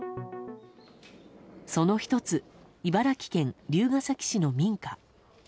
その１つ、茨城県龍ケ崎市の民家。